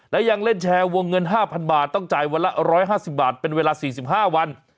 และยังเล่นแชร์วงเงิน๕๐๐บาทต้องจ่ายวันละ๑๕๐บาทเป็นเวลา๔๕วัน